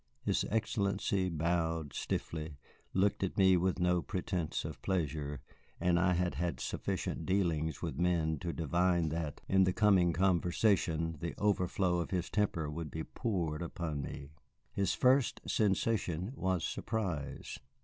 His Excellency bowed stiffly, looked at me with no pretence of pleasure, and I had had sufficient dealings with men to divine that, in the coming conversation, the overflow of his temper would be poured upon me. His first sensation was surprise.